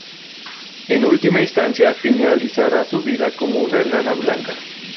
En última instancia finalizará su vida como una enana blanca.